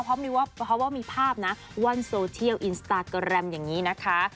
เพราะมีภาพนะวันโซเทียลอินสตาร์กอรัมแบบนี้นะคะ